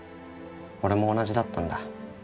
俺も同じだったんだ。